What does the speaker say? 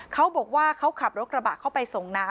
เขาบอกว่าเขาขับรถกระบะเข้าไปส่งน้ำ